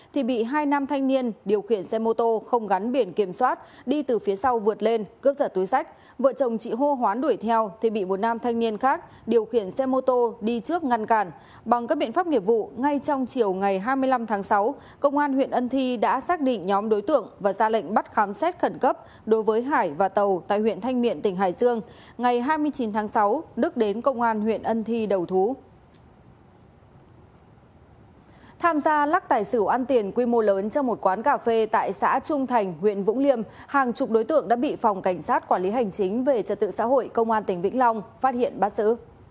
tham gia lắc tài xử ăn tiền quy mô lớn trong một quán cà phê tại xã trung thành huyện vũng liêm hàng chục đối tượng đã bị phòng cảnh sát quản lý hành chính về trật tự xã hội công an tỉnh vĩnh long phát hiện bắt giữ